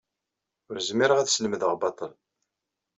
Ur zmireɣ ad slemdeɣ baṭel.